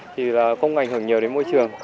thì là không ảnh hưởng nhiều đến môi trường